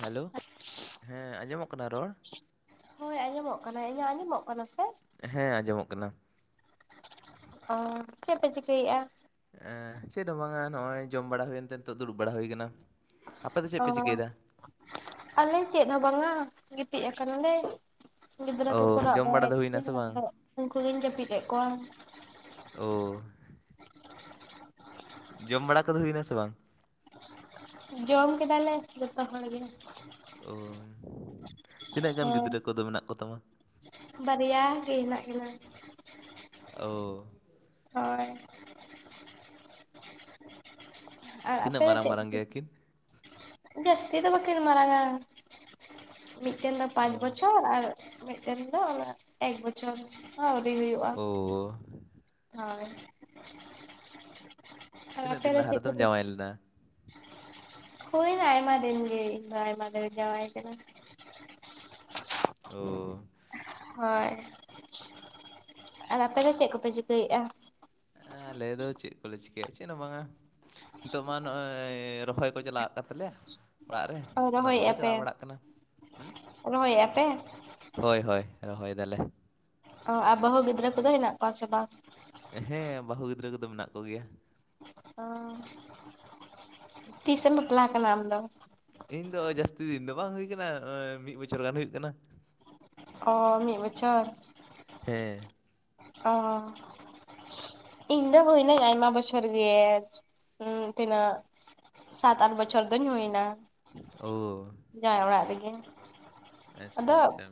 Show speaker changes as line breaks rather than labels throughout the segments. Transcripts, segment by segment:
Hello ᱦᱮᱸ ᱟᱸᱡᱚᱢᱚᱜ ᱠᱟᱱᱟ ᱨᱚᱲ?
ᱦᱳᱭ ᱟᱸᱡᱚᱢᱚᱜ ᱠᱟᱱᱟ ᱤᱧᱟᱹᱜ ᱟᱸᱡᱚᱢᱚᱜ ᱠᱟᱱᱟ ᱥᱮ ᱾
ᱦᱮᱸ ᱟᱸᱡᱚᱢᱚᱜ ᱠᱟᱱᱟ ᱾
ᱚ ᱪᱮᱫ ᱯᱮ ᱪᱤᱠᱟᱹᱭᱮᱫᱼᱟ?
ᱮ ᱪᱮᱫ ᱦᱚᱸ ᱵᱟᱝᱟ ᱱᱚᱜᱼᱚᱭ ᱡᱚᱢ ᱵᱟᱲᱟ ᱦᱩᱭᱮᱱᱛᱮ ᱱᱤᱛᱚᱜ ᱫᱩᱲᱩᱵ ᱵᱟᱲᱟ ᱦᱩᱭ ᱠᱟᱱᱟ ᱾
ᱚ ᱟᱞᱮ ᱪᱮᱫ ᱦᱚᱸ ᱵᱟᱝᱟ ᱜᱤᱛᱤᱡ ᱟᱠᱟᱱᱟᱞᱮ ᱾ ᱜᱤᱫᱽᱨᱟᱹ
ᱚ
ᱠᱚᱠᱚ ᱨᱟᱜ
ᱡᱚᱢ ᱵᱟᱲᱟ
ᱵᱟᱲᱟᱭᱮᱫ
ᱫᱚ ᱦᱩᱭᱱᱟ ᱥᱮ
ᱜᱮᱭᱟ
ᱵᱟᱝ
ᱟᱫᱚ ᱩᱱᱠᱩ ᱜᱤᱧ ᱡᱟᱹᱯᱤᱫ ᱮᱫ ᱠᱚᱣᱟ ᱾
ᱚ ᱡᱚᱢ ᱵᱟᱲᱟ ᱠᱚᱫᱚ ᱦᱩᱭᱱᱟ ᱥᱮ ᱵᱟᱝ?
ᱡᱚᱢ ᱠᱮᱫᱟᱞᱮ ᱡᱚᱛᱚ ᱦᱚᱲᱜᱮ ᱾
ᱚ ᱛᱤᱱᱟᱹᱜ ᱜᱟᱱ
ᱦᱮᱸ
ᱜᱤᱫᱽᱨᱟᱹ ᱠᱚᱫᱚ ᱢᱮᱱᱟᱜ ᱠᱚ ᱛᱟᱢᱟ?
ᱵᱟᱨᱭᱟ ᱜᱮ ᱦᱮᱱᱟᱜ ᱠᱤᱱᱟᱹ ᱾
ᱚ
ᱦᱳᱭ ᱟᱨ
ᱛᱤᱱᱟᱹᱜ
ᱟᱯᱮ ᱫᱚ
ᱢᱟᱨᱟᱝ ᱢᱟᱨᱟᱝ
ᱪᱮᱫ,
ᱜᱮᱭᱟ ᱠᱤᱱ
ᱡᱟᱹᱥᱛᱤ ᱫᱚ ᱵᱟᱠᱤᱱ ᱢᱟᱨᱟᱝ ᱟ ᱾ ᱢᱤᱫᱴᱮᱱ ᱫᱚ
ᱚ
ᱯᱟᱸᱪ ᱵᱚᱪᱷᱚᱨ ᱟᱨ ᱢᱤᱫᱴᱮᱱ ᱫᱚ ᱮᱠ ᱵᱚᱪᱷᱚᱨ ᱦᱚ ᱟᱹᱣᱨᱤ ᱦᱩᱭᱩᱜᱼᱟ ᱾
ᱳ ᱾
ᱦᱳᱭ ᱟᱨ
ᱛᱤᱱᱟᱹᱜ
ᱟᱯᱮ
ᱫᱤᱱ
ᱫᱚ
ᱞᱟᱦᱟ
ᱪᱮᱫ
ᱨᱮᱫᱚᱢ
ᱠᱚᱯᱮ
ᱡᱟᱶᱟᱭ ᱞᱮᱱᱟ
ᱦᱩᱭᱱᱟ ᱟᱭᱢᱟ ᱫᱤᱱ ᱜᱮ ᱤᱧ ᱫᱚ ᱟᱭᱢᱟ ᱫᱤᱱ ᱨᱤᱧ ᱡᱟᱶᱟᱭ ᱠᱟᱱᱟ ᱾
ᱚ
ᱦᱳᱭ ᱟᱨ ᱟᱯᱮ ᱫᱚ ᱪᱮᱫ ᱠᱚᱯᱮ ᱪᱤᱠᱟᱹᱭᱮᱫᱼᱟ?
ᱦᱮᱸ ᱟᱞᱮ ᱫᱚ ᱪᱮᱫ ᱠᱚᱞᱮ ᱪᱤᱠᱟᱹᱭᱟ ᱪᱮᱫ ᱦᱚᱸ ᱵᱟᱝᱟ ᱾ ᱱᱤᱛᱚᱜ ᱢᱟ ᱱᱚᱜᱼᱚᱭ ᱨᱚᱦᱚᱭ ᱠᱚ ᱪᱟᱞᱟᱜ ᱠᱟᱱ ᱛᱟᱞᱮᱭᱟ ᱾ ᱚᱲᱟᱜ ᱨᱮ ᱚᱱᱟ ᱠᱚᱞᱮ
ᱨᱚᱦᱚᱭᱮᱫᱼᱟ ᱯᱮ
ᱪᱟᱞᱟᱣ ᱵᱟᱲᱟᱜ ᱠᱟᱱᱟ ᱦᱮᱸ
ᱨᱚᱦᱚᱭᱮᱫᱼᱟ ᱯᱮ
᱾ ᱦᱳᱭ ᱦᱳᱭ ᱨᱚᱦᱚᱭ ᱫᱟᱞᱮ ᱾
ᱚ ᱟᱨ ᱵᱟᱦᱩ ᱜᱤᱫᱽᱨᱟᱹ ᱠᱚᱫᱚ ᱦᱮᱱᱟᱜ ᱠᱚᱣᱟ ᱥᱮ ᱵᱟᱝ?
ᱦᱮᱸ ᱵᱟᱹᱦᱩ ᱜᱤᱫᱽᱨᱟᱹ ᱠᱚᱫᱚ ᱢᱮᱱᱟᱜ ᱠᱚᱜᱮᱭᱟ ᱾
ᱚ ᱛᱤᱥᱮᱢ ᱵᱟᱯᱞᱟ ᱠᱟᱱᱟ ᱟᱢ ᱫᱚ?
ᱤᱧ ᱫᱚ ᱡᱟᱹᱥᱛᱤ ᱫᱤᱱ ᱫᱚ ᱵᱟᱝ ᱦᱩᱭ ᱠᱟᱱᱟ, ᱮᱸ ᱢᱤᱜ ᱵᱚᱪᱷᱚᱨ ᱜᱟᱱ ᱦᱩᱭᱩᱜ ᱠᱟᱱᱟ᱾
ᱚ ᱢᱤᱫ ᱵᱚᱪᱷᱚᱨ?
ᱦᱮᱸ᱾
ᱚ᱾ ᱤᱧ ᱫᱚ ᱦᱩᱭᱱᱟᱹᱧ ᱟᱭᱢᱟ ᱵᱚᱪᱷᱚᱨ ᱜᱮ, ᱦᱩᱸ ᱛᱤᱱᱟᱹᱜ ᱥᱟᱛ ᱟᱴ ᱵᱪᱷᱚᱨ ᱫᱚᱧ ᱦᱩᱭᱱᱟ᱾
ᱳ
ᱡᱟᱶᱟᱭ ᱚᱲᱟᱜ ᱨᱮᱜᱮ,
ᱟᱪᱪᱷᱟ
ᱟᱫᱚ
ᱟᱪᱪᱷᱟ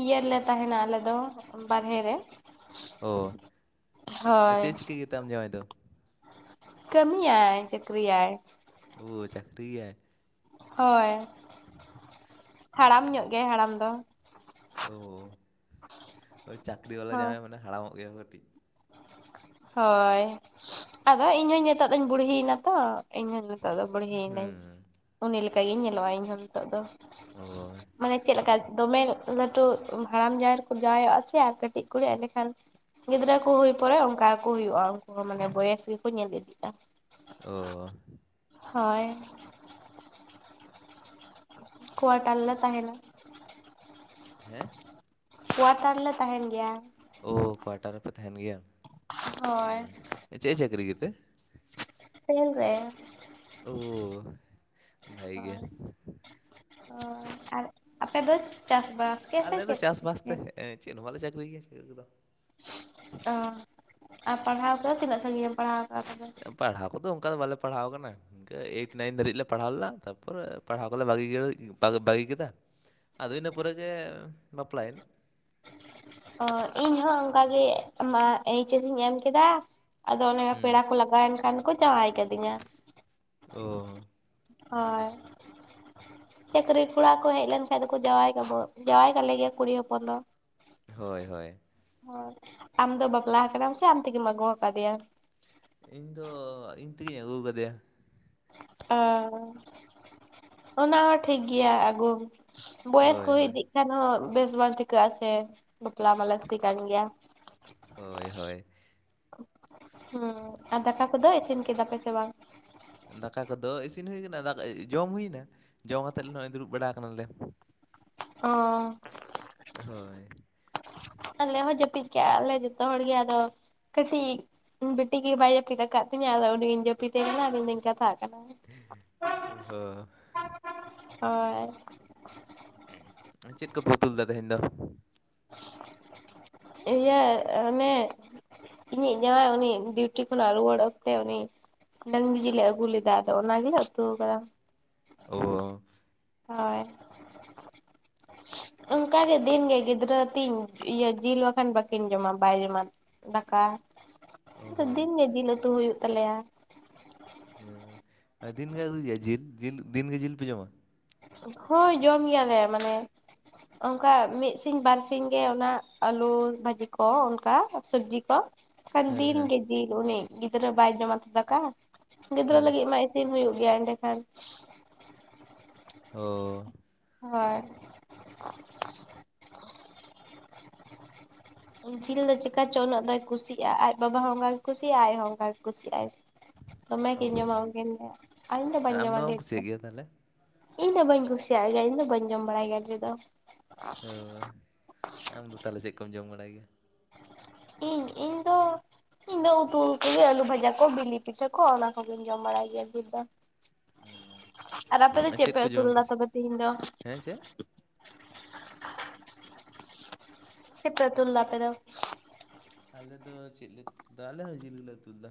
ᱤᱭᱟᱹ ᱨᱮᱞᱮ ᱛᱟᱦᱮᱱᱟ ᱟᱞᱮ ᱫᱚ, ᱵᱟᱨᱦᱮ ᱨᱮ᱾
ᱚ, ᱟ
ᱦᱳᱭ
ᱪᱮᱫ-ᱮ ᱪᱤᱠᱟᱹᱭ ᱜᱮᱛᱮ ᱟᱢ ᱡᱟᱶᱟᱭ ᱫᱚ?
ᱠᱟᱹᱢᱤᱟᱭᱟᱭ ᱪᱟᱹᱠᱨᱤᱟᱭᱟᱭ᱾
ᱳ ᱪᱟᱠᱨᱤ ᱜᱮᱭᱟᱭ?
ᱦᱳᱭ, ᱦᱟᱲᱟᱢ ᱧᱚᱜ ᱜᱮᱭᱟᱭ ᱦᱟᱲᱟᱢ ᱫᱚ᱾
ᱚ, ᱦᱳᱭ ᱪᱟᱠᱨᱤ ᱵᱟᱞᱟ ᱡᱟᱶᱟᱭ ᱢᱟᱱᱮ ᱦᱟᱲᱟᱢᱚᱜ ᱜᱮᱭᱟ ᱠᱟᱹᱴᱤᱡ᱾
ᱦᱳᱭ, ᱟᱫᱚ ᱤᱧ ᱦᱚᱧ ᱧᱤᱛᱚᱜ ᱫᱚᱧ ᱵᱩᱲᱦᱤᱭ ᱮᱱᱟ ᱛᱚ᱾ ᱤᱧᱦᱚ ᱱᱤᱛᱚᱜ ᱫᱚ ᱵᱩᱲᱦᱤᱭᱱᱟᱹᱧ᱾
ᱦᱩᱸ
ᱩᱱᱤ ᱞᱮᱠᱟᱜᱤᱧ ᱧᱮᱞᱚᱜᱼᱟ ᱤᱧ ᱦᱚᱸ ᱱᱤᱛᱚᱜ ᱫᱚ᱾
ᱳ
ᱢᱟᱱᱮ ᱪᱮᱫ ᱞᱮᱠᱟ ᱫᱚᱢᱮ ᱞᱟᱹᱴᱩ ᱦᱟᱲᱟᱢ ᱡᱟᱶᱟᱭ ᱨᱮᱠᱚ ᱡᱟᱶᱟᱭᱚᱜᱼᱟ ᱥᱮ ᱟᱨ ᱠᱟᱹᱴᱤᱡ ᱠᱩᱲᱤ ᱮᱸᱰᱮ ᱠᱷᱟᱱ ᱜᱤᱫᱽᱨᱟᱹ ᱠᱚ ᱦᱩᱭ ᱯᱚᱨᱮ ᱚᱱᱠᱟ ᱜᱮᱠᱚ ᱦᱩᱭᱩᱜᱼᱟ ᱩᱱᱠᱩ ᱦᱚᱸ ᱢᱟᱱᱮ ᱵᱚᱭᱮᱥ ᱜᱮᱠᱚ ᱧᱮᱞ ᱤᱫᱤᱜᱼᱟ᱾
ᱚ᱾
ᱦᱳᱭ᱾ ᱠᱚᱣᱟᱴᱟᱨ ᱞᱮ ᱛᱟᱦᱮᱱᱟ᱾
ᱦᱮᱸ?
ᱠᱚᱣᱟᱴᱟᱨ ᱞᱮ ᱛᱟᱦᱮᱱ ᱜᱮᱭᱟ᱾
ᱚ ᱠᱚᱣᱟᱴᱟᱨ ᱨᱮᱯᱮ ᱛᱟᱦᱮᱱ ᱜᱮᱭᱟ,
ᱦᱳᱭ
ᱦᱩᱸ ᱪᱮᱫ-ᱮ ᱪᱟᱹᱠᱨᱤ ᱜᱮᱛᱮ?
ᱨᱮᱞ ᱨᱮ᱾
ᱚ, ᱵᱷᱟᱜᱮ ᱜᱮ᱾
ᱚ ᱟᱨ ᱟᱯᱮ ᱫᱚ ᱪᱟᱥᱵᱟᱥ? ᱜᱮ ᱥᱮ
ᱟᱞᱮ ᱫᱚ
ᱪᱮᱫ ᱠᱚᱯᱮ
ᱪᱟᱥᱵᱟᱥ ᱛᱮ,
ᱪᱤᱠᱟᱹᱭᱟ
ᱮᱸ ᱪᱮᱫ ᱦᱚᱸ ᱵᱟᱞᱮ ᱪᱟᱹᱠᱨᱤ ᱜᱮᱭᱟ ᱪᱟᱹᱠᱨᱤ ᱠᱚᱫᱚ᱾
ᱚ, ᱟᱨ ᱯᱟᱲᱦᱟᱣ ᱠᱚᱫᱚ ᱛᱤᱱᱟᱹᱜ ᱥᱟᱺᱜᱤᱧ ᱮᱢ ᱯᱟᱲᱦᱟᱣ ᱠᱟᱜᱼᱟ ᱛᱚᱵᱮ?
ᱯᱟᱲᱦᱟᱣ ᱠᱚᱫᱚ ᱚᱱᱠᱟ ᱫᱚ ᱵᱟᱞᱮ ᱯᱟᱲᱦᱟᱣ ᱟᱠᱟᱱᱟ, ᱤᱱᱠᱟᱹ ᱮᱭᱤᱴ ᱱᱟᱭᱤᱱ ᱫᱷᱟᱹᱨᱤᱡ ᱞᱮ ᱯᱟᱲᱦᱟᱣ ᱞᱮᱱᱟ ᱛᱟᱯᱚᱨᱮ ᱯᱟᱲᱦᱟᱣ ᱠᱚᱞᱮ [unintelligible] ᱵᱟᱹᱜᱤ ᱵᱟᱹᱜᱤ ᱠᱮᱫᱟ᱾ ᱟᱫᱚ ᱤᱱᱟ ᱯᱚᱨᱮ ᱜᱮ ᱵᱟᱯᱞᱟᱭ [inaudible]
ᱚ, ᱤᱧ ᱦᱚᱸ ᱚᱝᱠᱟᱜᱮ ᱢᱟ ᱮᱤᱪ ᱮᱥ ᱤᱧ ᱮᱢ ᱠᱮᱫᱟ ᱟᱫᱚ ᱚᱱᱮ
ᱦᱩᱸ
ᱯᱮᱲᱟ ᱠᱚ ᱞᱟᱜᱟᱣ ᱮᱱ ᱠᱷᱟᱱ ᱠᱚ ᱡᱟᱶᱟᱭ ᱠᱟᱫᱤᱧᱟ᱾
ᱚ᱾
ᱦᱳᱭ᱾ ᱪᱟᱹᱠᱨᱤ ᱠᱚᱲᱟ ᱠᱚ ᱦᱮᱡ ᱞᱮᱱ ᱠᱷᱟᱡ ᱫᱚᱠᱚ ᱡᱟᱶᱟᱭ ᱠᱟᱵᱚ, ᱡᱟᱶᱟᱭ ᱠᱟᱞᱮ ᱜᱮᱭᱟ ᱠᱩᱲᱤ ᱦᱚᱯᱚᱱ ᱫᱚ᱾
ᱦᱳᱭ ᱦᱳᱭ᱾
ᱦᱳᱭ, ᱟᱢ ᱫᱚ ᱵᱟᱯᱞᱟ ᱟᱠᱟᱱᱟᱢ ᱥᱮ ᱟᱢ ᱛᱮᱜᱮᱢ ᱟᱹᱜᱩ ᱟᱠᱟᱫᱮᱭᱟ?
ᱤᱧ ᱫᱚ ᱤᱧ ᱛᱤᱜᱤᱧ ᱟᱹᱜᱩ ᱟᱠᱟᱫᱮᱭᱟ᱾
ᱚ, ᱚᱱᱟ ᱦᱚᱸ ᱴᱷᱤᱠ ᱜᱮᱭᱟ ᱟᱹᱜᱩ ᱵᱚᱭᱮᱥ
ᱦᱳᱭ
ᱠᱚ ᱦᱩᱭ
ᱦᱳᱭ
ᱤᱫᱤᱜ ᱮᱱᱦᱚᱸ ᱵᱮᱥ ᱵᱟᱝ ᱴᱷᱤᱠᱟᱹᱜ-ᱟ ᱥᱮ ᱵᱟᱯᱞᱟ ᱢᱟ ᱞᱟᱹᱠᱛᱤ ᱠᱟᱱ ᱜᱮᱭᱟ᱾
ᱦᱳᱭ ᱦᱳᱭ᱾
ᱦᱩᱸ, ᱟᱨ ᱫᱟᱠᱟ ᱠᱚᱫᱚ ᱤᱥᱤᱱ ᱠᱮᱫᱟ ᱯᱮ ᱥᱮ ᱵᱟᱝ?
ᱫᱟᱠᱟ ᱠᱚᱫᱚ ᱤᱥᱤᱱ ᱦᱩᱭ ᱠᱟᱱᱟ ᱫᱟᱠᱟ ᱡᱚᱢ ᱦᱩᱭᱱᱟ᱾ ᱡᱚᱢ ᱟᱛᱮᱜ ᱱᱚᱜ-ᱚᱭ ᱫᱩᱲᱩᱵ ᱵᱟᱲᱟ ᱠᱟᱱᱟ ᱞᱮ᱾
ᱚᱸ,
ᱦᱳᱭ,
ᱟᱞᱮ ᱦᱚᱸ ᱡᱟᱹᱯᱤᱜ ᱠᱮᱜ-ᱟ ᱞᱮ ᱡᱚᱛᱚ ᱦᱚᱲ ᱜᱮ ᱟᱫᱚ᱾ ᱠᱟᱹᱴᱤᱡ ᱵᱤᱴᱤ ᱜᱮ ᱵᱟᱭ ᱡᱟᱯᱤᱫ ᱟᱠᱟᱜ ᱛᱤᱧᱟ ᱟᱫᱚ ᱩᱱᱤ ᱜᱤᱧ ᱡᱟᱹᱯᱤᱛᱮ ᱠᱟᱱᱟ ᱟᱫᱚ ᱤᱧᱫᱚᱧ ᱠᱟᱛᱷᱟ,
ᱮᱜ, ᱦᱳᱭ,
ᱦᱳᱭ,
ᱪᱮᱫ ᱠᱚᱯᱮ ᱩᱛᱩᱞ ᱞᱮᱫᱟ ᱛᱮᱦᱮᱸᱧ ᱫᱚ?
ᱤᱞᱟᱹ ᱚᱱᱮ ᱤᱧᱤᱡ ᱡᱟᱸᱣᱟᱭ ᱩᱱᱤ ᱰᱤᱣᱴᱤ ᱠᱷᱚᱱᱟᱜ ᱨᱩᱣᱟᱹᱲ ᱚᱠᱛᱮ ᱩᱱᱤ ᱰᱟᱝᱨᱤ ᱡᱤᱞᱮ ᱟᱹᱜᱩ ᱞᱮᱫᱟ ᱟᱫᱚ ᱚᱱᱟ ᱜᱮᱞᱮ ᱩᱛᱩ ᱠᱟᱫᱟ᱾
ᱳ,
ᱦᱳᱭ, ᱚᱝᱱᱠᱟ ᱜᱮ ᱫᱤᱱ ᱜᱮ ᱜᱤᱫᱽᱨᱟᱹ ᱛᱤᱧ ᱤᱭᱟᱹ ᱡᱤᱞ ᱵᱟᱠᱷᱟᱱ ᱵᱟᱠᱤᱱ ᱡᱚᱢᱟ ᱵᱟᱭ ᱡᱚᱢᱟ ᱫᱟᱠᱟ
ᱚ
ᱚᱱᱟᱛᱮ
ᱦᱚ
ᱫᱤᱱ ᱜᱮ ᱡᱤᱞ ᱩᱛᱩ ᱦᱩᱭᱩᱜ ᱛᱟᱞᱮᱭᱟ᱾
ᱦᱮᱸ, ᱫᱤᱱ ᱜᱮ ᱟᱹᱜᱩᱭ ᱜᱮᱭᱟ ᱡᱤᱞ ᱡᱤᱞ ᱫᱤᱱ ᱜᱮ ᱡᱤᱞ ᱯᱮ ᱡᱚᱢᱟ?
ᱦᱳᱭ ᱡᱚᱢ ᱜᱮᱭᱟᱞᱮ ᱢᱟᱱᱮ ᱚᱝᱠᱟ ᱢᱤᱫ ᱥᱤᱧ ᱵᱟᱨ ᱥᱤᱧ ᱜᱮ ᱚᱱᱟ ᱟᱞᱩ ᱵᱷᱟᱡᱤ ᱠᱚ ᱚᱝᱠᱟ ᱥᱚᱵᱡᱤ ᱠᱚ, ᱠᱟᱱ
ᱦᱮᱸ
ᱫᱤᱱ
ᱦᱮᱸ
ᱜᱮ ᱡᱤᱞ ᱩᱱᱤ ᱜᱤᱫᱽᱨᱟᱹ ᱵᱟᱭ ᱡᱚᱢᱟ ᱛᱚ ᱫᱟᱠᱟ ᱜᱤᱫᱽᱨᱟᱹ
ᱦᱮᱸ
ᱞᱟᱹᱜᱤᱫ ᱢᱟ ᱤᱥᱱ ᱦᱩᱭᱩᱜ ᱜᱮᱭᱟ ᱮᱸᱰᱮ ᱠᱷᱟᱱ᱾
ᱦᱳ,
ᱦᱳᱭ, ᱡᱤᱞ ᱫᱚ ᱪᱮᱠᱟ ᱪᱚ ᱩᱱᱟᱹᱜ ᱫᱚᱭ ᱠᱩᱥᱤ-ᱟ ᱟᱡ ᱵᱟᱵᱟ ᱦᱚᱸ ᱚᱝᱠᱟ ᱜᱮ ᱠᱩᱥᱤᱭᱟᱜ ᱟᱡ ᱦᱚᱸ ᱚᱝᱠᱟ ᱜᱮ ᱠᱩᱥᱤᱜ-ᱟᱭ, ᱫᱚᱢᱮ ᱠᱤᱱ ᱧᱚᱢᱟ
ᱚ
ᱩᱝᱠᱤᱱ ᱫᱚ ᱟᱞᱤᱧ ᱫᱚ
ᱟᱨ
ᱵᱟᱞᱤᱧ
ᱟᱢ
ᱧᱚᱢᱟ
ᱵᱟᱢ
ᱰᱷᱮᱨ ᱫᱚ,
ᱠᱩᱥᱤᱭᱟᱜ ᱜᱮᱭᱟ ᱛᱟᱦᱚᱞᱮ?
ᱤᱧ ᱫᱚ ᱵᱟᱹᱧ ᱠᱩᱥᱤᱭᱟᱜ ᱜᱮᱭᱟ ᱤᱧ ᱫᱚ ᱵᱟᱹᱧ ᱡᱚᱢ ᱵᱟᱲᱟᱭ ᱜᱮᱭᱟ [inaudible] ᱫᱚ,
ᱦᱳᱭ, ᱟᱢ ᱫᱚ ᱛᱟᱦᱚᱞᱮ ᱪᱮᱫ ᱠᱚᱢ ᱡᱚᱢ ᱵᱟᱲᱟᱭ ᱜᱮᱭᱟ?
ᱤᱧ, ᱤᱧ ᱫᱚ ᱤᱧ ᱫᱚ ᱩᱛᱩ ᱠᱚᱜᱮ ᱟᱞᱩ ᱵᱷᱟᱡᱟ ᱠᱚ ᱵᱤᱞᱤ ᱯᱤᱴᱷᱟᱹ ᱠᱚ ᱚᱱᱟ ᱠᱚᱜᱤᱧ ᱡᱚᱢ ᱵᱟᱲᱟᱭ ᱡᱩᱫ ᱫᱚ, ᱟᱨ ᱟᱯᱮ ᱪᱮᱫ ᱯᱮ
ᱠᱚ
ᱩᱛᱩ
ᱡᱚᱢᱮᱢ
ᱞᱮᱫᱟ
ᱠᱩᱥᱤᱜ
ᱛᱚᱵᱮ ᱛᱮᱦᱤᱧ ᱫᱚ?
ᱦᱮᱸ ᱪᱮᱫ? [inaudible]
ᱪᱮᱫ ᱯᱮ ᱩᱛᱩ ᱞᱮᱫᱟ ᱟᱯᱮ ᱫᱚ?
ᱟᱞᱮ ᱫᱚ ᱪᱮᱫ ᱞᱮ ᱩᱛᱩ ᱞᱮᱫᱟ ᱟᱞᱮ ᱦᱚᱸ ᱡᱤᱞ ᱜᱮᱞᱮ ᱩᱛᱩ ᱞᱮᱫᱟ,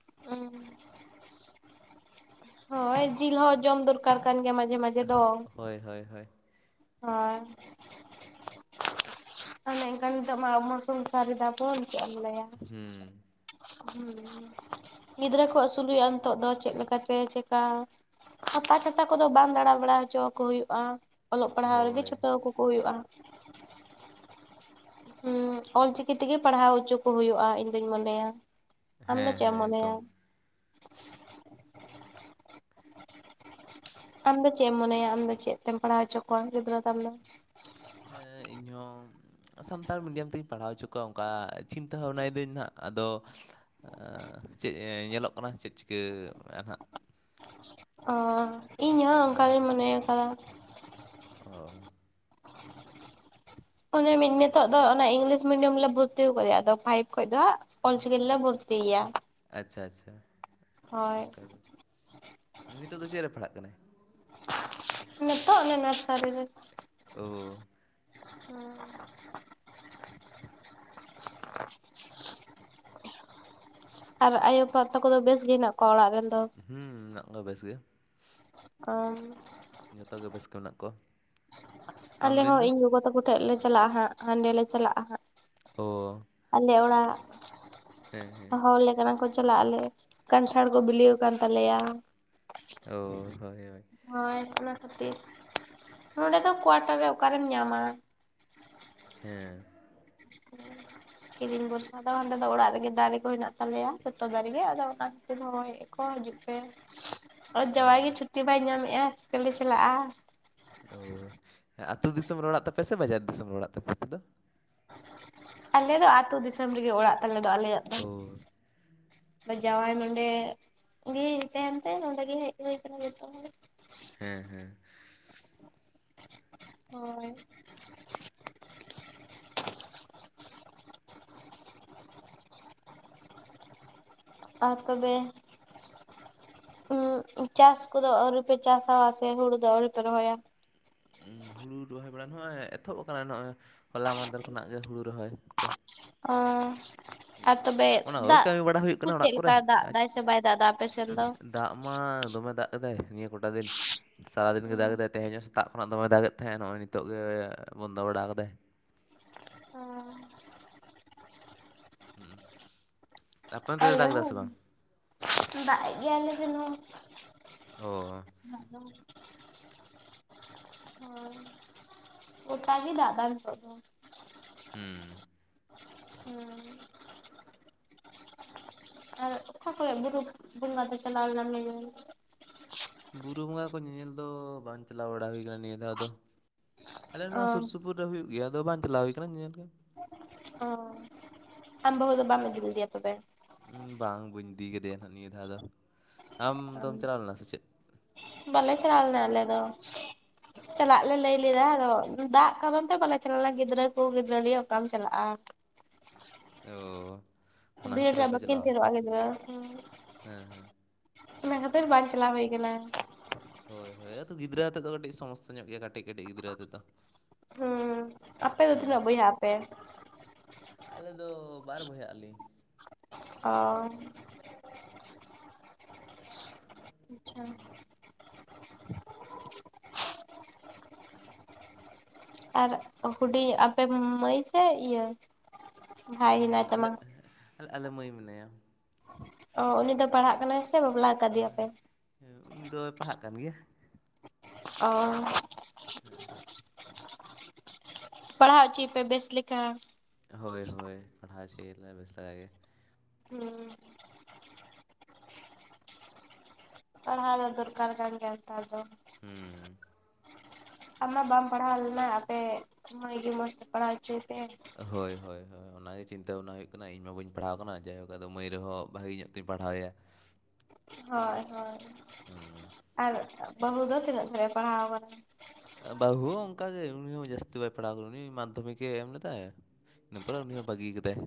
ᱚᱸᱝ, ᱦᱳᱭ ᱡᱤᱞ ᱦᱚᱸ ᱡᱚᱢ ᱫᱚᱨᱠᱟᱨ ᱠᱟᱱ ᱜᱮᱭᱟ ᱢᱟᱡᱷ
ᱦᱳᱭ, ᱦᱳᱭ, ᱦᱳᱭ,
ᱦᱳᱭ, ᱚᱱᱮ ᱮᱝᱠᱟᱱ ᱱᱤᱛᱚᱜ ᱢᱟ ᱟᱵᱚᱢᱟ ᱥᱚᱝᱥᱟᱨ ᱮᱫᱟ ᱵᱚᱱ᱾ ᱪᱮᱜ ᱮᱢ ᱞᱟᱹᱭᱟ?
ᱦᱩᱸ
ᱦᱩᱸ, ᱜᱤᱫᱽᱨᱟᱹ ᱠᱚ ᱟᱹᱥᱩᱞ ᱦᱩᱭᱩᱜ-ᱟ ᱱᱤᱛᱚᱜ ᱫᱚ ᱪᱮᱫ ᱞᱮᱠᱟᱛᱮ ᱪᱮᱠᱟ ᱯᱟᱛᱟ ᱪᱷᱟᱛᱟ ᱠᱚᱫᱚ ᱵᱟᱝ ᱫᱟᱸᱲᱟ-ᱵᱟᱲᱟ ᱦᱚᱪᱚ ᱟᱠᱚ ᱦᱩᱭᱩᱜ-ᱟ᱾ ᱚᱞᱚᱜ ᱯᱟᱲᱟᱦᱟᱣ ᱨᱮᱫᱚ
ᱦᱳᱭ
ᱪᱷᱩᱴᱟᱹᱣ ᱠᱟᱠᱚ ᱦᱩᱭᱩᱜ-ᱟ᱾ ᱦᱩᱸ, ᱚᱞᱪᱤᱠᱤ ᱛᱮᱜᱮ ᱯᱟᱲᱦᱟᱣ ᱚᱪᱚ ᱠᱚ ᱦᱩᱭᱩᱜ-ᱟ ᱤᱧ ᱫᱩᱧ ᱢᱚᱱᱮᱭᱟ᱾ ᱟᱢ ᱫᱚ
ᱦᱮᱸ
ᱪᱮᱫ ᱮᱢ
ᱦᱮᱸ
ᱢᱚᱱᱮᱭᱟ?
ᱮᱠᱫᱚᱢ [inaudible]
ᱟᱢᱫᱚ ᱪᱮᱫ ᱮᱢ ᱢᱚᱱᱮᱭᱟ ᱟᱢᱫᱚ ᱪᱮᱫ ᱛᱮᱢ ᱯᱟᱲᱦᱟᱣ ᱦᱚᱪᱚ ᱠᱚᱣᱟ ᱜᱤᱫᱽᱨᱟᱹ ᱛᱟᱢ ᱫᱚ?
ᱦᱮᱸ, ᱤᱧ ᱦᱚᱸ, ᱥᱟᱱᱛᱟᱲ ᱢᱤᱰᱤᱭᱟᱢ ᱛᱤᱧ ᱯᱟᱲᱦᱟᱣ ᱦᱚᱪᱚ ᱠᱚᱣᱟ ᱚᱝᱠᱟ ᱪᱤᱱᱛᱟᱹ ᱵᱷᱟᱵᱽᱱᱟ ᱮᱫᱟᱹᱧ ᱱᱟᱦᱟᱸᱜ ᱟᱫᱚ, ᱟᱸᱻ ᱪᱮᱫ ᱧᱮᱞᱚᱜ ᱠᱟᱱᱟ ᱪᱮᱫ ᱪᱤᱠᱟᱹ ᱟᱱᱟ ᱦᱟᱸᱜ᱾
ᱚ ᱤᱧ ᱦᱚᱸ
ᱦᱮᱸ
ᱚᱝᱠᱟ ᱜᱤᱧ ᱢᱚᱱᱮ ᱠᱟᱫᱟ᱾
ᱚ᱾
ᱚᱱᱮ ᱢᱤᱱ ᱱᱮᱛᱚᱜ ᱫᱚ ᱚᱱᱟ ᱤᱝᱞᱤᱥᱼᱼ ᱢᱤᱰᱤᱭᱟᱢ ᱨᱮᱞᱮ ᱵᱷᱚᱨᱛᱤ ᱟᱠᱟᱫᱮᱭᱟ ᱟᱫᱚ ᱯᱷᱟᱭᱤᱵ ᱠᱷᱚᱡ ᱫᱚ ᱦᱟᱸᱜ ᱚᱞ ᱪᱤᱠᱤ ᱨᱮᱞᱮ ᱵᱷᱚᱨᱛᱤᱭᱟ᱾
ᱟᱪᱪᱷᱟ ᱟᱪᱪᱷᱟ᱾
ᱦᱳᱭ᱾
ᱚᱱᱠᱟ ᱜᱮ᱾ ᱱᱤᱛᱚᱜ ᱫᱚ ᱪᱮᱫ ᱨᱮ ᱯᱟᱲᱦᱟᱜ ᱠᱟᱱᱟᱭ
ᱱᱮᱛᱚᱜ ᱢᱮᱱᱟᱜ-ᱟ ᱛᱷᱟᱨᱤ ᱨᱮ᱾
ᱳ᱾
[inaudible] ᱟᱨ ᱟᱭᱳ ᱵᱟ ᱛᱟᱠᱚ ᱫᱚ ᱵᱮᱥ ᱜᱮ ᱦᱮᱱᱟᱜ ᱠᱚᱣᱟ ᱚᱲᱟᱜ ᱨᱮᱱ ᱫᱚ?
ᱦᱩᱸ ᱚᱲᱟᱜ ᱨᱮᱱ ᱫᱚ ᱵᱮᱥ ᱜᱮ ᱾
ᱚ᱾
ᱡᱷᱚᱛᱚ ᱜᱮ ᱵᱮᱥ ᱜᱮ ᱢᱮᱱᱟᱜ ᱠᱚᱣᱟ᱾
ᱟᱞᱮ
ᱟᱢᱨᱮᱱ
ᱦᱚᱸ
ᱫᱚ
ᱤᱧ ᱜᱚᱜᱚ ᱛᱟᱠᱚ ᱴᱷᱮᱡ ᱞᱮ ᱪᱟᱞᱟᱜᱼᱟ ᱦᱟᱸᱜ, ᱦᱟᱸᱰᱮ ᱞᱮ ᱪᱟᱞᱟᱜᱼᱟ ᱦᱟᱸᱜ ᱾
ᱳ
ᱟᱞᱮ ᱚᱲᱟᱜ
ᱦᱮᱸ
ᱦᱚᱲ ᱞᱮᱱᱟ ᱠᱟᱱᱟ ᱠᱚ ᱾ ᱪᱟᱞᱟᱜ ᱟᱞᱮ ᱠᱟᱱᱴᱷᱟᱲ ᱠᱚ ᱵᱤᱞᱤ ᱟᱠᱟᱱ ᱛᱟᱞᱮᱭᱟ ᱾
ᱚᱻ ᱦᱳᱭ ᱦᱳᱭ ᱾
ᱦᱳᱭ ᱟᱱᱟ ᱠᱷᱟᱹᱛᱤᱨ ᱱᱚᱰᱮ ᱫᱚ ᱠᱚᱣᱟᱴᱟᱨ ᱨᱮ ᱚᱠᱟᱨᱮᱢ ᱧᱟᱢᱟ᱾
ᱦᱮᱸ᱾
[inaudible] [unintelligible] ᱵᱷᱚᱨᱥᱟ ᱫᱚ ᱚᱸᱰᱮ ᱫᱚ ᱚᱲᱟᱜ ᱨᱮᱜᱮ ᱫᱟᱨᱮ ᱠᱚ ᱦᱮᱱᱟᱜ ᱛᱟᱞᱮᱭᱟ ᱡᱚᱛᱚ ᱫᱟᱨᱮ ᱜᱮ ᱟᱫᱚ ᱚᱱᱟ ᱯᱮ ᱨᱦᱚᱭ ᱠᱚ ᱦᱤᱡᱩᱜ ᱯᱮ ᱾ ᱟᱨ ᱡᱟᱶᱟᱭ ᱜᱮ ᱪᱷᱩᱴᱤ ᱵᱟᱭ ᱧᱟᱢᱮᱫᱼᱟ ᱠᱷᱮᱞᱮ ᱪᱟᱞᱟᱜ-ᱟ ᱾
ᱚ ᱟᱹᱛᱩ ᱫᱤᱥᱚᱢ ᱨᱮ ᱚᱲᱟᱜ ᱛᱟᱯᱮ ᱥᱮ ᱵᱟᱡᱟᱨ ᱫᱤᱥᱚᱢ ᱨᱮ ᱚᱲᱟᱜ ᱛᱟᱯᱮ ᱟᱯᱮ ᱫᱚ?
ᱟᱞᱮ ᱫᱚ ᱟᱹᱛᱩ ᱫᱤᱥᱚᱢ ᱨᱮᱜᱮ ᱚᱲᱟᱜ ᱛᱟᱞᱮ ᱫᱚ ᱟᱞᱮᱭᱟᱜ ᱫᱚ᱾
ᱚ
ᱡᱟᱶᱟᱭ ᱱᱚᱰᱮ [unintelligible] ᱛᱟᱦᱮᱱ ᱛᱮ ᱱᱚᱰᱮ ᱜᱮ ᱦᱮᱡ ᱦᱩᱭ ᱠᱟᱱᱟ ᱡᱷᱚᱛᱚ ᱦᱚᱲ᱾ ᱾
ᱦᱮᱸ ᱦᱮᱸ᱾
ᱦᱳᱭ [inaudible] ᱟᱨ ᱛᱚᱵᱮᱼᱼ ᱪᱟᱥ ᱠᱚᱫᱚ ᱟᱹᱣᱨᱤ ᱯᱮ ᱪᱟᱥᱟ ᱥᱮ ᱦᱩᱲᱩ ᱫᱚ ᱟᱹᱣᱨᱤ ᱯᱮ ᱨᱚᱦᱚᱭᱟ?
ᱦᱩᱲᱩ ᱨᱚᱦᱚᱭ ᱵᱟᱲᱟ ᱦᱚᱸ ᱮᱛᱚᱦᱚᱵ ᱟᱠᱟᱱᱟ ᱱᱚᱜᱼᱚᱭ ᱦᱚᱞᱟ ᱢᱟᱸᱫᱷᱮᱨ ᱠᱷᱚᱱᱟᱜ ᱜᱮ ᱦᱩᱲᱩ ᱨᱚᱦᱚᱭ ᱠᱚ ᱾
ᱚᱻ ᱟᱨ ᱛᱚᱵᱮ
ᱚᱱᱟ ᱠᱚᱜᱮ
ᱫᱟᱜ
ᱠᱟᱹᱢᱤ ᱵᱟᱲᱟ ᱦᱩᱭᱩᱜ ᱠᱟᱱᱟ
ᱪᱮᱫ
ᱚᱲᱟᱜ ᱠᱚᱨᱮ
ᱞᱮᱠᱟ ᱫᱟᱜ
ᱟᱨ
ᱫᱟᱭ
ᱪᱮᱫ
ᱥᱮ ᱵᱟᱭ ᱫᱟᱜ ᱫᱟᱭ ᱟᱯᱮ ᱥᱮᱫ ᱫᱚ?
ᱫᱟᱜ ᱢᱟ ᱫᱚᱢᱮ ᱫᱟᱜ ᱮᱫᱟᱭ ᱱᱤᱭᱟᱹ ᱠᱚᱴᱟ ᱫᱤᱱ᱾ ᱥᱟᱨᱟ ᱫᱤᱱ ᱜᱮᱭ ᱫᱟᱜ ᱮᱫᱟᱭ ᱛᱮᱦᱮᱧ ᱦᱚᱸ ᱥᱮᱛᱟᱜ ᱠᱷᱚᱱᱟᱜ ᱫᱚᱢᱮ ᱫᱟᱜ ᱮᱫ ᱛᱟᱦᱮᱸᱫ ᱱᱚᱜᱼᱚᱭ ᱱᱤᱛᱚᱜ ᱜᱮ ᱵᱚᱱᱫᱚ ᱵᱟᱲᱟ ᱠᱟᱫᱟᱭ᱾
[unintelligible]
ᱦᱩᱸ
ᱟᱞᱮ ᱦᱚᱸ ᱫᱟᱜ ᱮᱫ ᱜᱮᱭᱟᱭ ᱟᱞᱮ ᱥᱮᱱ ᱦᱚᱸ᱾
ᱚ᱾
[inaudible] [inaudible] ᱜᱚᱴᱟ ᱜᱮ ᱫᱟᱜ ᱮᱫᱟᱭ ᱱᱤᱛᱚᱜ ᱫᱚ ᱾
ᱦᱩᱸ
[inaudible] ᱟᱨ ᱚᱠᱟ ᱠᱚᱨᱮ ᱵᱩᱨᱩ ᱵᱚᱸᱜᱟ ᱫᱚ ᱪᱟᱞᱟᱣ ᱞᱮᱱᱟᱢ ᱧᱮᱧᱮᱞ᱾
ᱵᱩᱨᱩ ᱵᱚᱸᱜᱟ ᱠᱚ ᱧᱮᱧᱮᱞ ᱫᱚ ᱵᱟᱝ ᱪᱟᱞᱟᱣ ᱵᱟᱲᱟ ᱦᱩᱭ ᱟᱠᱟᱱᱟ ᱱᱤᱭᱟᱹ ᱫᱷᱟᱣ ᱫᱚ, ᱟᱞᱮ
ᱚ
ᱱᱚᱣᱟ ᱥᱩᱨ ᱥᱩ ᱯᱩᱨ ᱨᱮ ᱦᱩᱭᱩᱜ ᱜᱮᱭᱟ ᱟᱫᱚ ᱵᱟᱝ ᱪᱟᱞᱟᱣ ᱦᱩᱭ ᱠᱟᱱᱟ ᱧᱮᱧᱮᱞ ᱜᱮ ᱾
ᱚ ᱟᱢ ᱵᱟᱦᱩ ᱫᱚ ᱵᱟᱢ ᱤᱫᱤ ᱞᱮᱫᱮᱭᱟ ᱛᱚᱵᱮ?
ᱵᱟᱝ ᱵᱟᱹᱧ ᱤᱫᱤ ᱠᱟᱫᱮᱭᱟ ᱦᱟᱜ ᱱᱤᱭᱟᱹ ᱫᱷᱟᱣ ᱫᱚ᱾ ᱟᱢ ᱫᱚᱢ ᱪᱟᱞᱟᱣ ᱞᱮᱱᱟ ᱥᱮ ᱪᱮᱫ?
ᱵᱟᱞᱮ ᱪᱟᱞᱟᱣ ᱞᱮᱱᱟ ᱟᱞᱮ ᱫᱚ᱾ ᱪᱟᱞᱟᱜ ᱞᱮ ᱞᱟᱹᱭ ᱞᱮᱫᱟ ᱟᱫᱚ ᱫᱟᱜ ᱠᱟᱨᱚᱱ ᱛᱮ ᱵᱟᱞᱮ ᱪᱟᱞᱟᱣ ᱞᱮᱱᱟ ᱜᱤᱫᱽᱨᱟᱹ ᱠᱚ ᱜᱤᱫᱽᱨᱟᱹ ᱱᱤᱭᱟᱹ ᱚᱠᱟᱢ ᱪᱟᱞᱟᱜᱼᱟ᱾
ᱚ᱾ ᱚᱱᱟ ᱠᱷᱟᱹᱛᱤᱨ
ᱵᱷᱤᱲᱨᱮ
ᱵᱟᱯᱮ
ᱵᱟᱠᱤᱱ
ᱪᱟᱞᱟᱣᱟ
ᱛᱷᱤᱨᱚᱜ-ᱟ ᱜᱤᱫᱽᱨᱟᱹ, ᱦᱩᱸ᱾
ᱦᱮᱸ ᱦᱮᱸ
ᱚᱱᱟᱹ ᱠᱷᱟᱛᱤᱨ ᱵᱟᱝ ᱪᱟᱞᱟᱣ ᱦᱩᱭ ᱠᱟᱱᱟ᱾
ᱦᱳᱭ ᱦᱳᱭ ᱟᱫᱚ ᱜᱤᱫᱽᱟᱹ ᱟᱛᱮᱫ ᱫᱚ ᱠᱟᱹᱴᱤᱡ ᱥᱚᱢᱚᱥᱥᱟ ᱧᱚᱜ ᱜᱮᱭᱟ ᱠᱟᱹᱴᱤᱡ ᱠᱟᱹᱴᱤᱡ ᱜᱤᱫᱽᱨᱟᱹ ᱟᱛᱮᱫ ᱫᱚ᱾
ᱦᱩᱸ ᱟᱯᱮ ᱫᱚ
ᱦᱩᱸ
ᱛᱤᱱᱟᱹᱜ ᱵᱚᱭᱦᱟ ᱟᱯᱮ?
ᱟᱞᱮ ᱫᱚ ᱵᱟᱨ ᱵᱚᱭᱦᱟ ᱟᱹᱞᱤᱧ᱾
ᱚ᱾ ᱟᱪᱪᱷᱟ᱾ ᱟᱨ ᱦᱩᱰᱤᱧ ᱟᱯᱮ ᱢᱟᱹᱭ ᱥᱮ ᱤᱭᱟᱹ ᱵᱷᱟᱭ ᱦᱮᱱᱟᱭ ᱛᱟᱢᱟ?
ᱟᱞᱮ ᱟᱞᱮ ᱢᱟᱹᱭ ᱢᱮᱱᱟᱭᱟ᱾
ᱚ ᱩᱱᱤ ᱫᱚ ᱯᱟᱲᱦᱟᱜ ᱠᱟᱱᱟᱭ ᱥᱮ ᱵᱟᱯᱞᱟ ᱟᱠᱟᱫᱮᱭᱟ ᱯᱮ?
ᱦᱮᱸ ᱩᱱᱤ ᱫᱚᱭ ᱯᱟᱲᱦᱟᱜ ᱠᱟᱱ ᱜᱮᱭᱟ᱾
ᱚ᱾
ᱦᱮᱸ᱾
ᱯᱟᱲᱦᱟᱣ ᱚᱪᱚᱭᱮᱯᱮ ᱵᱮᱥ ᱞᱮᱠᱟ᱾
ᱦᱳᱭ ᱦᱳᱭ ᱯᱟᱲᱦᱟᱣ ᱦᱚᱪᱚᱭᱟᱞᱮ ᱵᱮᱥ ᱞᱮᱠᱟ ᱜᱮ᱾
ᱦᱩᱸ᱾ ᱯᱟᱲᱦᱟᱣ ᱫᱚ ᱫᱚᱨᱠᱟᱨ ᱠᱟᱱ ᱜᱮᱭᱟ ᱱᱮᱛᱟᱨ ᱫᱚ᱾
ᱦᱩᱸ᱾
ᱟᱢ ᱢᱟ ᱵᱟᱢ ᱯᱟᱲᱦᱟᱣ ᱞᱮᱱᱟ ᱟᱯᱮ ᱢᱟ. ᱭ ᱜᱮ ᱢᱚᱸᱡᱽ ᱛᱮ ᱯᱟᱲᱦᱟᱣ ᱦᱚᱪᱚᱭᱮ ᱯᱮ᱾
ᱦᱳᱭ ᱦᱳᱭ ᱦᱳᱭ ᱚᱱᱟ ᱜᱮ ᱪᱤᱱᱟᱛᱟ ᱵᱟᱵᱱᱟ ᱦᱩᱭᱩᱜ ᱠᱟᱱᱟ ᱤᱧ ᱢᱟ ᱵᱟᱹᱧ ᱯᱟᱲᱦᱟᱣ ᱟᱠᱟᱱᱟ ᱡᱟᱭᱦᱳᱠ ᱫᱚ ᱢᱟᱹᱭ ᱨᱮᱦᱚᱸ ᱵᱷᱟᱹᱜᱤ ᱧᱚᱜ ᱛᱤᱧ ᱯᱟᱲᱦᱟᱣᱮᱭᱟ᱾
ᱦᱳᱭ ᱦᱳᱭ
ᱦᱩᱸ
ᱟᱨ ᱵᱟᱹᱦᱩ ᱫᱚ ᱛᱤᱱᱟᱹᱜ ᱫᱷᱟᱨᱤᱡ ᱮ ᱯᱟᱲᱦᱟᱣ ᱟᱠᱟᱱᱟ?
ᱮᱸ ᱵᱟᱹᱦᱩ ᱦᱚᱸ ᱚᱱᱠᱟ ᱜᱮ ᱩᱱᱤ ᱦᱚᱸ ᱡᱟᱹᱥᱛᱤ ᱵᱟᱭ ᱯᱟᱲᱦᱟᱣ ᱠᱟᱱᱟ ᱩᱱᱤ ᱢᱟᱫᱽᱫᱷᱚᱢᱤᱠ-ᱮ ᱮᱢ ᱞᱮᱫᱟ, ᱤᱱᱟ ᱯᱚᱨᱮ ᱩᱱᱤ ᱦᱚᱸ ᱵᱟᱺᱜᱤ ᱟᱠᱟᱫᱟᱭ᱾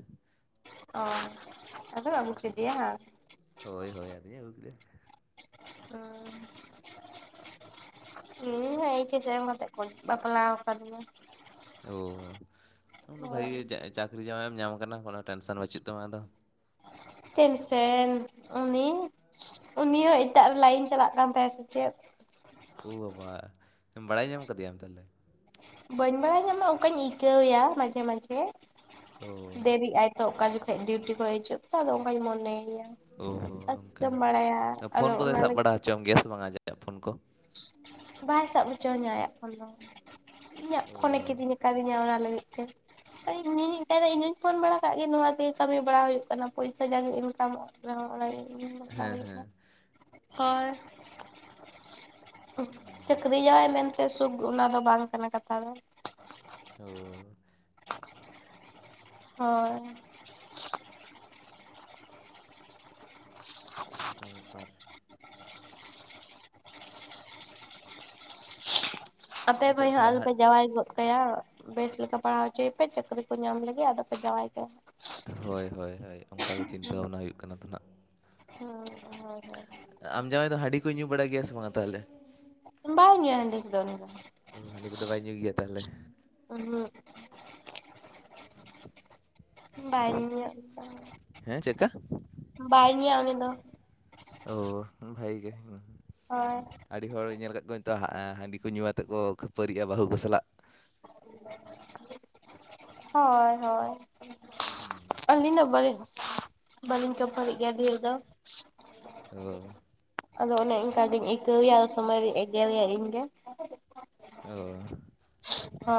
ᱚ ᱟᱫᱚ ᱟ. ᱜᱩ ᱠᱮᱫᱮᱭᱟᱢ?
ᱦᱳᱭ ᱦᱳᱭ ᱟᱫᱩᱧ ᱟ. ᱜᱩ ᱠᱮᱫᱮᱭᱟ᱾
ᱚᱸ᱾ ᱤᱧ ᱦᱚᱸ ᱮᱭᱤᱪ ᱮᱥ ᱮᱢ ᱠᱟᱛᱮᱫ ᱠᱚ ᱵᱟᱯᱞᱟᱣ ᱟᱠᱟᱫᱤᱧᱟ᱾
ᱚ ᱟᱢᱫᱚ
ᱦᱳᱭ
ᱵᱷᱟᱜᱮ ᱜᱮ ᱪᱟᱹᱠᱨᱤ ᱡᱟᱸᱣᱟᱭ ᱮᱢ ᱧᱟᱢ ᱠᱟᱱᱟ ᱠᱳᱱᱳ ᱴᱮᱱᱥᱟᱱ ᱵᱟᱹᱪᱩᱜ ᱛᱟᱢᱟ ᱟᱫᱚ᱾
ᱴᱮᱱᱥᱮᱱ ᱩᱱᱤ ᱩᱱᱤ ᱦᱚᱸ ᱮᱴᱟᱜ ᱨᱮ ᱞᱟᱭᱤᱱ ᱪᱟᱞᱟᱜ ᱠᱟᱱ ᱛᱟᱭᱟ ᱥᱮ ᱪᱮᱫ?
ᱳ ᱵᱟᱵᱟ ᱵᱟᱲᱟᱭ ᱧᱟᱢ ᱟᱠᱟᱫᱮᱭᱟᱢ ᱛᱟᱞᱦᱮ?
ᱵᱟᱹᱧ ᱵᱟᱲᱟᱭ ᱧᱟᱢᱟ ᱚᱠᱟᱧ ᱟᱹᱭᱠᱟᱹᱣᱭᱟ ᱢᱟᱡᱷᱮ ᱢᱟᱡᱷᱮ,
ᱳ
ᱰᱮᱨᱤ ᱟᱭ᱾ ᱛᱚ ᱚᱠᱟ ᱡᱚᱠᱷᱚᱡ ᱰᱤᱭᱩᱴᱤ ᱠᱷᱚᱡ ᱦᱤᱡᱩᱜ ᱛᱚ ᱟᱫᱚ ᱚᱱᱠᱟᱧ ᱢᱚᱱᱮ᱾ ᱮᱭᱟ,
ᱳ
ᱟᱨ ᱪᱤᱠᱟᱹᱢ ᱵᱟᱲᱟᱭᱟ ᱟᱫᱚ ᱚᱱᱟ ᱞᱟᱹᱜᱤᱫ
ᱡᱚᱢ ᱜᱮᱭᱟ ᱥᱮ ᱵᱟᱝ [inaudible] ᱯᱷᱳᱱ ᱠᱚ?
ᱵᱟᱭ ᱥᱟᱵ ᱦᱚᱪᱚᱣᱟᱹᱧᱟ ᱟᱭᱟᱜ ᱯᱷᱳᱱ ᱫᱚ, ᱤᱧᱟᱹᱜ
ᱳ
ᱯᱷᱳᱱᱮ ᱠᱤᱨᱤᱧ ᱠᱟᱹᱫᱤᱧᱟ ᱚᱱᱟ ᱞᱟᱹᱜᱤᱫ ᱛᱮ᱾ ᱤᱧ ᱦᱩᱧ [inaudible] ᱤᱧ ᱦᱩᱧ ᱯᱷᱳᱱ ᱵᱟᱲᱟ ᱠᱟᱜ ᱜᱮ ᱱᱚᱣᱟ ᱛᱮᱜᱮ ᱠᱟᱹᱢᱤ ᱵᱟᱲᱟ ᱦᱩᱭᱩᱜ ᱠᱟᱱᱟ ᱯᱚᱭᱥᱟ ᱡᱟᱜᱮ ᱤᱱᱠᱟᱢᱚᱜ [inaudible] ᱪᱟᱹᱠᱨᱤᱣᱟᱭ ᱢᱮᱱ᱾ [unintelligible] ᱥᱩᱠ ᱚᱱᱟ ᱫᱚ ᱵᱟᱝ ᱠᱟᱱᱟ ᱠᱟᱛᱷᱟ ᱫᱚ᱾
ᱚᱻ
ᱦᱳᱭ
ᱚᱝᱠᱟ ᱵᱮᱯᱟᱨ
ᱟᱯᱮ ᱢᱟ.
ᱮᱱᱠᱷᱟᱡ
ᱭ ᱦᱚ
ᱛᱟᱦᱚᱞᱮ
ᱟᱞᱩᱯᱮ
ᱦᱟᱸᱜ
ᱡᱟᱣᱟᱭ ᱜᱚᱫᱽ ᱠᱟᱭᱟ ᱵᱮᱥ ᱞᱮᱠᱟ ᱯᱟᱲᱦᱟᱣ ᱦᱚᱪᱚᱭᱮ ᱯᱮ ᱪᱟᱹᱠᱨᱤ ᱠᱚ ᱧᱟᱢ ᱞᱟᱹᱜᱤᱫ ᱟᱫᱚᱯᱮ ᱡᱟᱶᱟᱭ ᱠᱟᱭᱟ᱾
ᱦᱳᱭ ᱦᱳᱭ ᱦᱳᱭ ᱚᱱᱠᱟ ᱜᱮ ᱪᱤᱱᱛᱟᱹ ᱵᱷᱟᱱᱟ ᱦᱩᱭᱩᱜ ᱠᱟᱱᱟ ᱛᱟᱦᱮᱱᱟᱜ᱾
ᱦᱩ ᱦᱚᱭ ᱦᱚᱭ
ᱟᱢ ᱡᱟᱣᱟᱭ ᱫᱚ ᱦᱟᱺᱰᱤ ᱠᱚ ᱧᱩ ᱵᱟᱲᱟᱭ ᱜᱮᱭᱟ ᱥᱮ ᱵᱟᱝᱟ ᱛᱟᱦᱚᱞᱮ?
ᱵᱟᱭ ᱧᱩᱭᱟ ᱦᱟᱺᱰᱤ ᱠᱚᱫᱚ ᱩᱱᱤ ᱫᱚ᱾
ᱚ ᱦᱟᱺᱰᱤ ᱠᱚᱫᱚ ᱵᱟᱭ ᱧᱩᱭ ᱜᱮᱭᱟ ᱛᱟᱦᱚᱞᱮ᱾
ᱩᱸ ᱦᱩᱜ
[inaudible]
ᱵᱟᱭ ᱧᱩᱭᱟ
ᱦᱮᱸ ᱪᱮᱫᱠᱟ
ᱵᱟᱭ ᱧᱩᱭᱟ ᱩᱱᱤ ᱫᱚ᱾
ᱚ ᱵᱷᱟᱜᱮ ᱜᱮ᱾
ᱦᱳᱭ
ᱟᱹᱰᱤ ᱦᱚᱲ ᱧᱮᱞ ᱠᱟᱜ ᱠᱩᱭᱤᱧ ᱛᱚ ᱦᱟᱺᱰᱤ ᱠᱚ ᱧᱩ ᱠᱟᱛᱮ ᱠᱚ ᱠᱷᱟᱹᱯᱟᱹᱨᱤᱜ-ᱟ ᱵᱟᱹᱦᱩ ᱠᱚ ᱥᱟᱞᱟᱜ᱾
[inaudible] ᱦᱳᱭ ᱦᱳᱭ
ᱦᱩᱸ
ᱟᱞᱤᱧ ᱫᱚ ᱵᱟᱹᱞᱤᱝ ᱵᱟᱹᱞᱤᱧ ᱠᱷᱟᱯᱟᱹᱨᱤᱜ ᱜᱮᱭᱟ ᱰᱷᱮᱨ ᱫᱚ᱾
ᱚᱻ
ᱟᱫᱚ ᱚᱱᱮ ᱚᱱᱠᱟ ᱜᱤᱧ ᱟᱹᱭᱠᱟᱹᱣᱮᱭᱟ ᱟᱫᱚ ᱥᱚᱢᱚᱭ ᱨᱤᱧ ᱮᱜᱮᱨᱮᱭᱟ ᱤᱧᱜᱮ᱾
ᱚᱻ
ᱦᱳᱭ